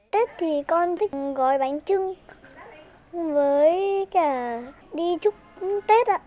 tết thì con thích gói bánh trưng với cả đi chúc tết ạ